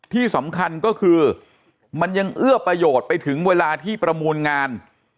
ที่สำคัญก็คือมันยังเอื้อประโยชน์ไปถึงเวลาที่ประมูลงาน